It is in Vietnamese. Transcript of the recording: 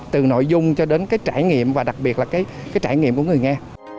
từ nội dung cho đến cái trải nghiệm và đặc biệt là cái trải nghiệm của người nghe